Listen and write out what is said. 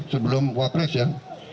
sebelum wapres ya